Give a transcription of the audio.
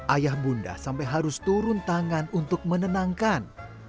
ayah bunda sampai harus turun tangan untuk menenangkan